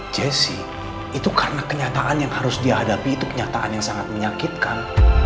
jesse itu karena kenyataan yang harus dihadapi itu kenyataan yang sangat menyakitkan